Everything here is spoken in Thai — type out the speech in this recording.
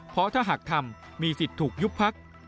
เพราะถ้าหากทำมีสิทธิ์ถูกยุบพัก